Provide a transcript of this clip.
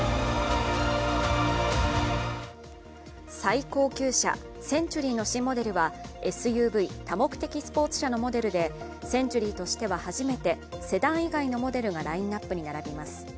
最高級車センチュリーの新モデルはＳＵＶ＝多目的スポーツ車でセンチュリーとしては初めてセダン以外のモデルがラインナップに並びます